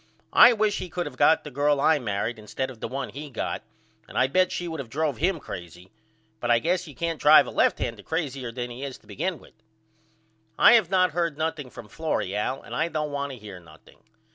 I wish he could of got the girl I married instead of the one he got and I bet she would of drove him crazy. But I guess you can't drive a left hander crazyer than he is to begin with. I have not heard nothing from Florrie Al and I don't want to hear nothing.